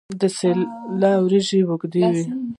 د سیله وریجې اوږدې وي.